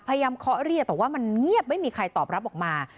เคาะเรียกแต่ว่ามันเงียบไม่มีใครตอบรับออกมา